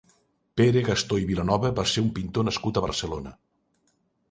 Pere Gastó i Vilanova va ser un pintor nascut a Barcelona.